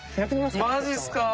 マジすか！